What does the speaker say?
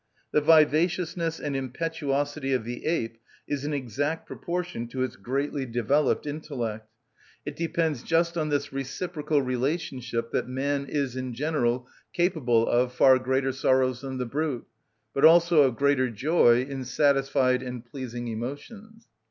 The vivaciousness and impetuosity of the ape is in exact proportion to its greatly developed intellect. It depends just on this reciprocal relationship that man is, in general, capable of far greater sorrows than the brute, but also of greater joy in satisfied and pleasing emotions.